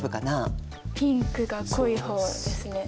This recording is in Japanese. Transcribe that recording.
ピンクが濃い方ですね。